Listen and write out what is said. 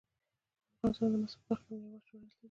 افغانستان د مس په برخه کې نړیوال شهرت لري.